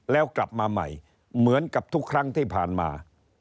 แล้วกลับมาใหม่เหมือนกับทุกครั้งที่ผ่านมา